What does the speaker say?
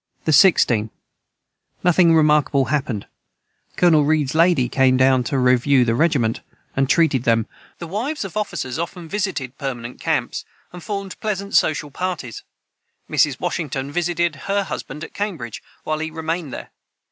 ] the 16. Nothing remarkable hapned Colonel Reeds Laidy came down to reveu the Regiment and treated them nothing more this day. [Footnote 170: The wives of officers often visited permanent camps, and formed pleasant social parties. Mrs. Washington visited her husband at Cambridge, while he remained there.